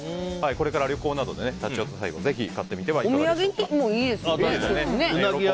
これから旅行などで立ち寄った際はぜひ買ってみてはお土産にもいいですよね。